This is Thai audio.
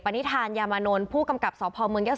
นิทานยามานนท์ผู้กำกับสพเมืองยะโ